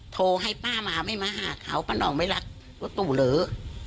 โทรให้ป้ามาไม่มาหาเขาป้านองไม่รักรถตู้เหลือ